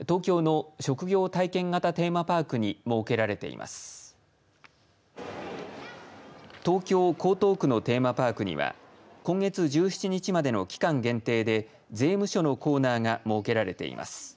東京、江東区のテーマパークには今月１７日までの期間限定で税務署のコーナーが設けられています。